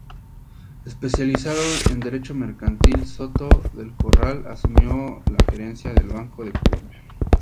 Especializado en derecho mercantil, Soto del Corral asumió la gerencia del Banco de Colombia.